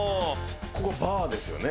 ここバーですよね？